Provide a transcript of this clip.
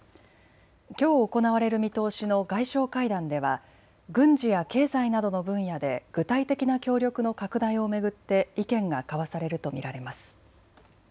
きょう行われる見通しの外相会談では軍事や経済などの分野で具体的な協力の拡大を巡って意見が交わされると見られます。